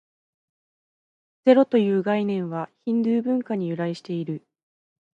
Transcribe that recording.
ゼロという概念は、ヒンドゥー文化に由来している。